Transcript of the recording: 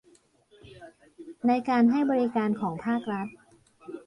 ในการให้บริการของภาครัฐ